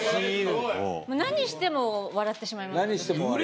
何しても笑ってしまいます。